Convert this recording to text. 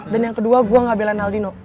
dan yang kedua gue gak belain aldino